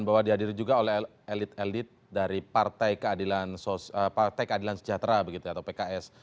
bahwa dihadiri juga oleh elit elit dari partai keadilan partai keadilan sejahtera begitu ya atau pks